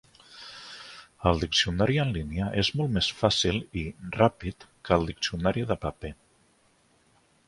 El diccionari en línia és molt més fàcil i ràpid que el diccionari de paper.